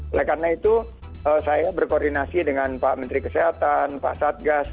oleh karena itu saya berkoordinasi dengan pak menteri kesehatan pak satgas